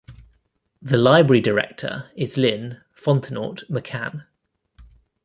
The library director is Lynne Fontenaut McCann.